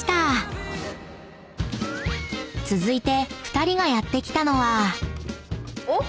［続いて２人がやって来たのは］おっ？